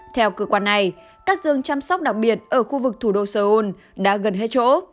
theo cơ quan này các dương chăm sóc đặc biệt ở khu vực thủ đô seoul đã gần hết chỗ